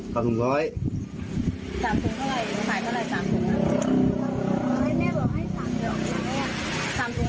แต่ถุงละ๒๐แม่ให้ขาย๓ถุง๑๐๐